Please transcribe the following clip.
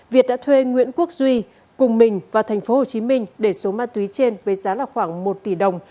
việt đã thuê nguyễn quốc duy cùng mình vào tp hcm để số ma túy trên với giá khoảng một tỷ đồng